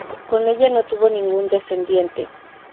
Con ella no tuvo ningún descendiente.